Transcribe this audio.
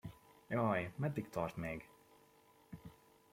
Jaj, meddig tart még?